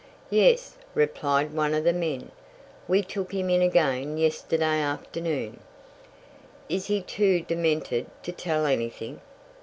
"Yes," replied one of the men. "We took him in again yesterday afternoon." "Is he too demented to tell anything?